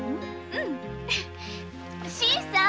新さん！